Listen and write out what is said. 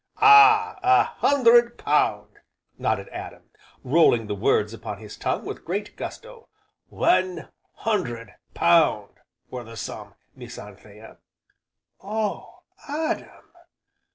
"Ah! a hundred pound!" nodded Adam, rolling the words upon his tongue with great gusto, "one hundred pound, were the sum, Miss Anthea." "Oh, Adam!"